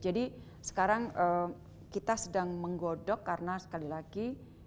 jadi sekarang kita sedang menggodok karena sekali lagi